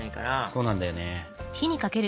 そうなんだよね。